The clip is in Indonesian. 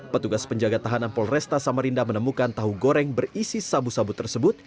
petugas penjaga tahanan polresta samarinda menemukan tahu goreng berisi sabu sabu tersebut